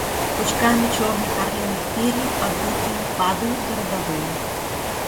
Пучками черных орлиных перьев подбитые падают городовые.